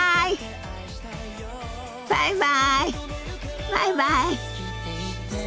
バイバイバイバイ。